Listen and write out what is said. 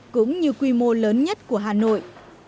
cũng như quy mô lớn nhất của hà nội